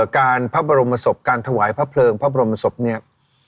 การพระบรมศพการถวายพระเพลิงพระบรมศพเนี่ย